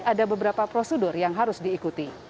ada beberapa prosedur yang harus diikuti